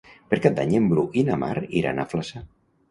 Per Cap d'Any en Bru i na Mar iran a Flaçà.